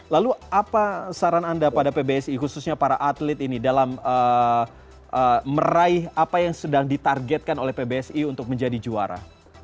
lalu apa saran anda pada pbsi khususnya para atlet ini dalam meraih apa yang sedang ditargetkan oleh pbsi untuk menjadi juara